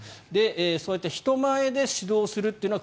そうやって人前で指導するというのは